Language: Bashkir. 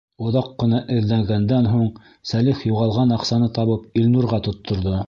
Оҙаҡ ҡына эҙләгәндән һуң, Сәлих юғалған аҡсаны табып, Илнурға тотторҙо.